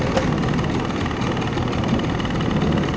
และมันกลายเป้าหมายเป้าหมายเป็นส่วนสุดท้าย